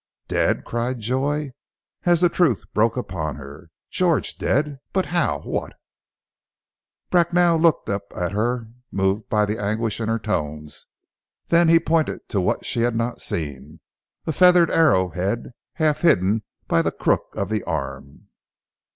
"Dead?" cried Joy, as the truth broke upon her. "George dead! But how? What " Bracknell looked up at her, moved by the anguish in her tones, then he pointed to what she had not seen, a feathered arrow head, half hidden by the crook of the arm.